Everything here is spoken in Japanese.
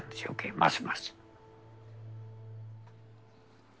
ますます。